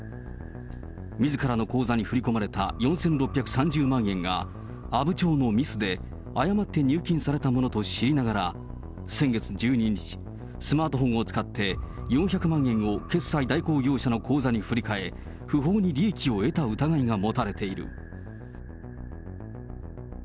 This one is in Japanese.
みずからの口座に振り込まれた４６３０万円が、阿武町のミスで誤って入金されたものと知りながら、先月１２日、スマートフォンを使って４００万円を、決済代行業者の口座に振り替え、不法に利益を得た疑いがもたれている。